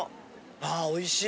あおいしい！